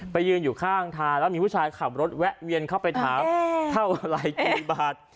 ยืนอยู่ข้างทางแล้วมีผู้ชายขับรถแวะเวียนเข้าไปถามเท่าอะไรกี่บาท